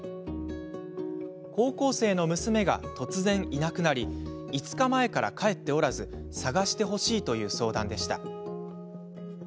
高校生の娘が突然いなくなり５日前から帰っておらず捜してほしいという相談でした。